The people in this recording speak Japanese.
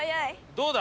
どうだ？